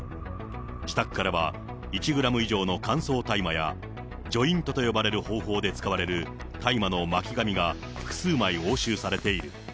自宅からは、１グラム以上の乾燥大麻や、ジョイントと呼ばれる方法で使われる大麻の巻紙が複数枚押収されている。